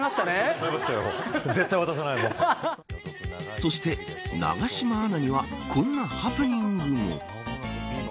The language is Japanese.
そして、永島アナにはこんなハプニングも。